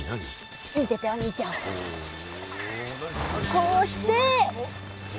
こうして。